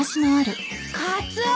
カツオ！